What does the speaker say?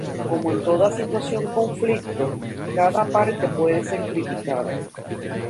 Como en toda situación de conflicto, cada parte puede ser criticada.